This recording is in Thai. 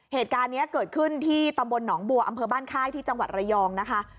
เหตุการณ์นี้เกิดขึ้นที่ตำบลหนองบัวอำเภอบ้านค่ายที่จังหวัดระยองนะคะ